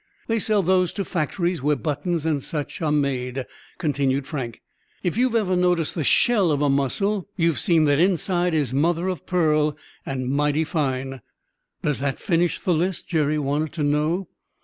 "They sell those to factories where buttons and such things are made," continued Frank. "If you've ever noticed the shell of a mussel, you've seen that the inside is mother of pearl and mighty fine." "Does that finish the list?" Jerry wanted to know.